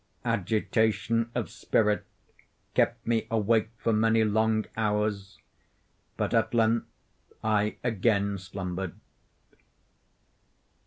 Agitation of spirit kept me awake for many long hours, but at length I again slumbered.